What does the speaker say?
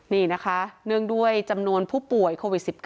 นี่นะคะเนื่องด้วยจำนวนผู้ป่วยโควิด๑๙